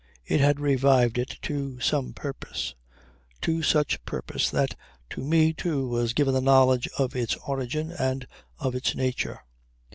It had revived it to some purpose, to such purpose that to me too was given the knowledge of its origin and of its nature.